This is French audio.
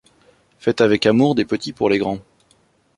Faites avec amour des petits pour les grands.